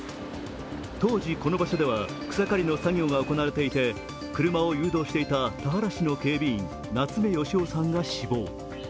当時、この場所では草刈りの作業が行われていて、車を誘導していた田原市の警備員、夏目喜生さんが死亡。